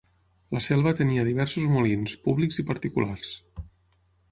La Selva tenia diversos molins, públics i particulars.